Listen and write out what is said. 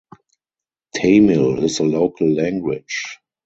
Tamil is the local language.